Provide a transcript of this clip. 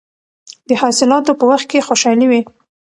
د حاصلاتو په وخت کې خوشحالي وي.